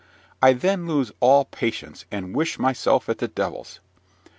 I then lose all patience, and wish myself at the devil's.